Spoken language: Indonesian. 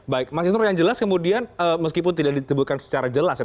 baik mas isnur yang jelas kemudian meskipun tidak disebutkan secara jelas ya